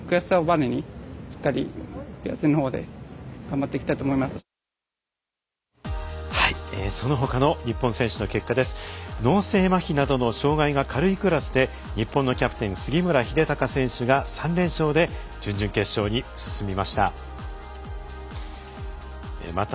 脳性まひなどの障がいが軽いクラスで日本のキャプテン杉村英孝選手が３連勝で準々決勝に進みました。